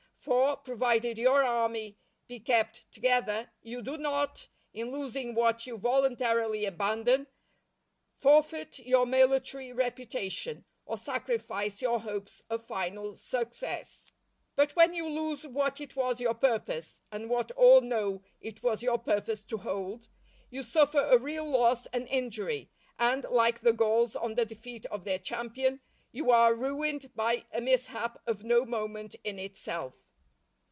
For, provided your army be kept together, you do not, in losing what you voluntarily abandon, forfeit your military reputation, or sacrifice your hopes of final success. But when you lose what it was your purpose, and what all know it was your purpose to hold, you suffer a real loss and injury, and, like the Gauls on the defeat of their champion, you are ruined by a mishap of no moment in itself.